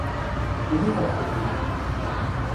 তুমি কখন এলে?